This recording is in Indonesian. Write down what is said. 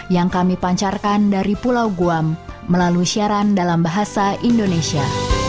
yang kami pancarkan dari pulau guam melalui siaran dalam bahasa indonesia